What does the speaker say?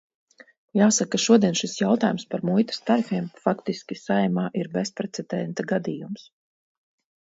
Jāsaka, ka šodien šis jautājums par muitas tarifiem faktiski Saeimā ir bezprecedenta gadījums.